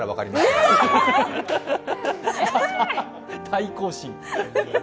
対抗心。